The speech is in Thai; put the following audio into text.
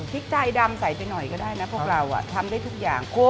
พริกใจดำใส่ไปหน่อยก็ได้นะพวกเราทำได้ทุกอย่าง